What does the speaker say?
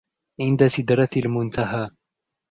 عِنْدَ سِدْرَةِ الْمُنْتَهَى